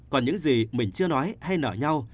còn những gì mình chưa nói hay nợ nhau